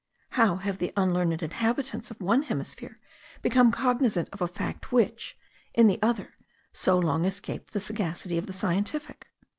How have the unlearned inhabitants of one hemisphere become cognizant of a fact which, in the other, so long escaped the sagacity of the scientific?